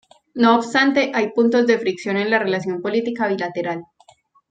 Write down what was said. No obstante, hay puntos de fricción en la relación política bilateral.